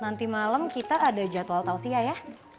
nanti malam kita ada jadwal tausia ya